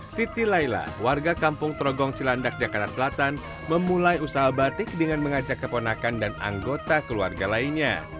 siti laila warga kampung trogong cilandak jakarta selatan memulai usaha batik dengan mengajak keponakan dan anggota keluarga lainnya